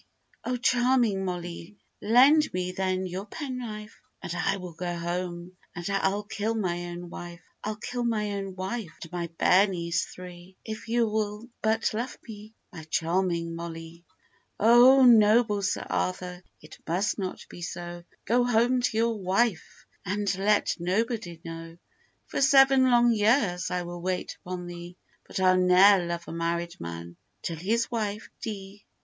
'Oh, charming Mollee, lend me then your penknife, And I will go home, and I'll kill my own wife; I'll kill my own wife, and my bairnies three, If you will but love me, my charming Mollee!' 'Oh, noble Sir Arthur, it must not be so, Go home to your wife, and let nobody know; For seven long years I will wait upon thee, But I'll ne'er love a married man till his wife dee.